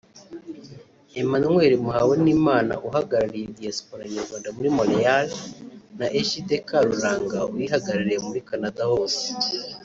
Emmanuel Muhawenimana uhagarariye Diaspora Nyarwanda muri Montréal na Egide Karuranga uyihagarariye muri Canada hose